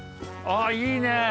あいいね。